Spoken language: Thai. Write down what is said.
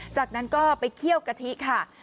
จากนั้นก็ไปเคี่ยวกะทิค่ะ